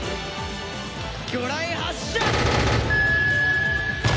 魚雷発射！